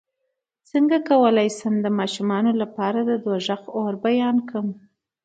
څنګه کولی شم د ماشومانو لپاره د دوزخ اور بیان کړم